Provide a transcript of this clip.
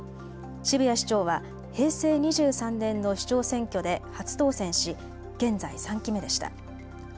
渋谷市長は平成２３年の市長選挙で初当選し現在３期目でした。